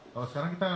kalau sekarang kita